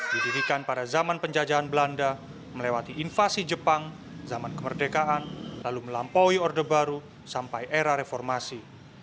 didirikan pada zaman penjajahan belanda melewati invasi jepang zaman kemerdekaan lalu melampaui orde baru sampai era reformasi